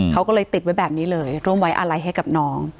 เขาก็เลยติดไว้แบบนี้เลยร่วมไว้อาลัยให้กับน้อง